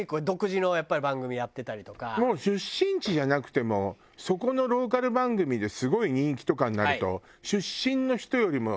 もう出身地じゃなくてもそこのローカル番組ですごい人気とかになると。